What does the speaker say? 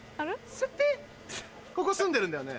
ここ住んでるんだよね？